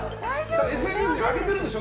ＳＮＳに上げてるでしょ。